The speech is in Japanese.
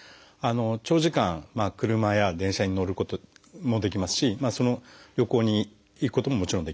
長時間車や電車に乗ることもできますし旅行に行くことももちろんできます。